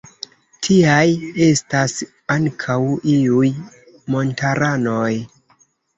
Tiaj estas ankaŭ iuj montaranoj.